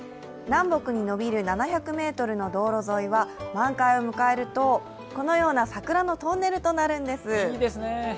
南北に延びる７００ｍの道路沿いは、満開を迎えるとこのような桜のトンネルとなるんです。